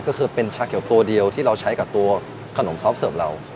ก็คือเป็นชาเขียวตัวเดียวที่เราใช้กับตัวขนมซอฟเสิร์ฟเรา